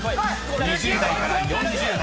［２０代から４０代］